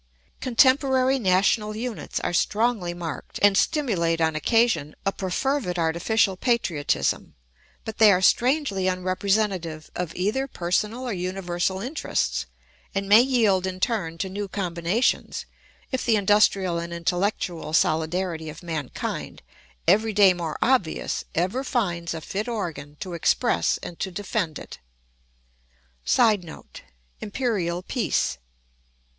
Contemporary national units are strongly marked and stimulate on occasion a perfervid artificial patriotism; but they are strangely unrepresentative of either personal or universal interests and may yield in turn to new combinations, if the industrial and intellectual solidarity of mankind, every day more obvious, ever finds a fit organ to express and to defend it. [Sidenote: Imperial peace.